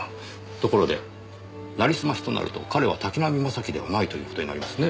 ところでなりすましとなると彼は滝浪正輝ではないという事になりますねぇ。